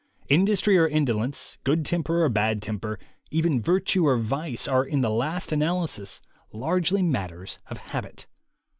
Industry or indolence, good temper or bad temper, even virtue or vice, are in the last analysis largely matters of habit.